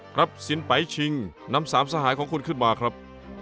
สินไปชิงนำสามสหายของคุณขึ้นมาครับ